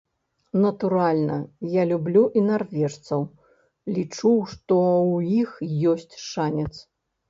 Натуральна, я люблю і нарвежцаў, лічу, што ў іх ёсць шанец.